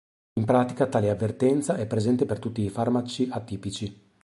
In pratica, tale avvertenza, è presente per tutti i farmaci atipici.